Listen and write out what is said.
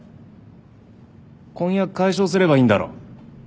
婚約解消すればいいんだろ。